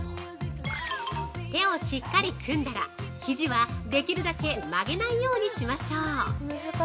◆手をしっかり組んだら、ひじは、できるだけ曲げないようにしましょう。